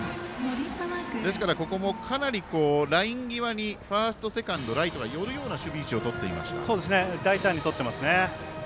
ですから、ここもかなりライン際にファーストセカンド、ライトが寄るような守備位置を大胆にとっていますね。